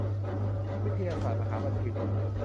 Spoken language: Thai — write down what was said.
วิทยาศาสตร์มหาบัณฑิต